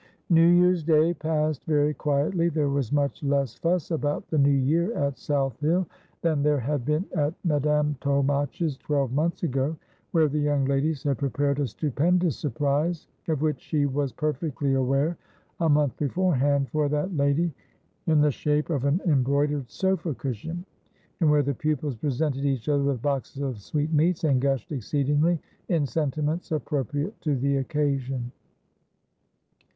New Year's Day passed very quietly. There was much less fuss about the new year at South Hill than there had been at Madame Tolmache's twelve months ago ; where the young ladies had prepared a stupendous surprise — of which she was perfectly aware a month beforehand — for that lady, in the shape of an embroidered sofa cushion ; and where the pupils presented each other with boxes of sweetmeats, and gushed exceedingly, in sentiments appropriate to the occasion.